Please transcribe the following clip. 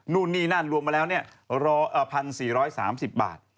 นู่นนี่นั่นรวมมาแล้ว๑๔๓๐บาท